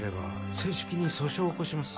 正式に訴訟を起こします